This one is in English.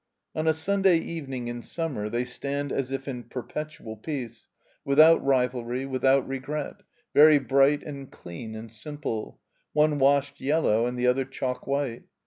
On a Sunday evening in sum mer they stand as if in perpetual peace, without no THE COMBINED MAZE rivalry, without regret, very bright and dean and simple, one washed yellow and the other chalk white.